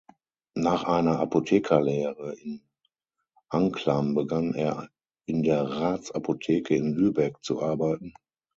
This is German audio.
Nach einer Apothekerlehre in Anklam begann er in der Ratsapotheke in Lübeck zu arbeiten.